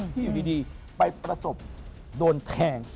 อยู่ดีไปประสบโดนแทง